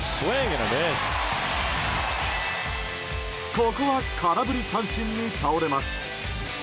ここは空振り三振に倒れます。